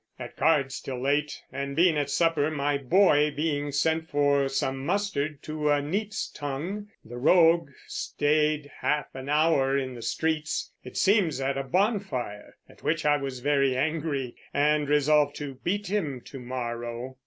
At cards till late, and being at supper, my boy being sent for some mustard to a neat's tongue, the rogue staid half an houre in the streets, it seems at a bonfire, at which I was very angry, and resolve to beat him to morrow.